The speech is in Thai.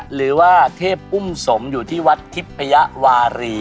หรือว่าเทพอุ้มสมอยู่ที่วัดทิพยวารี